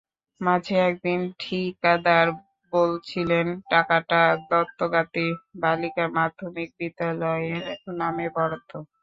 মাঝে একদিন ঠিকাদার বলছিলেন টাকাটা দত্তগাতী বালিকা মাধ্যমিক বিদ্যালয়ের নামে বরাদ্দ।